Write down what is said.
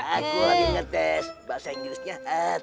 aku lagi ngetes bahasa inggrisnya try it